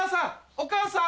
お母さん！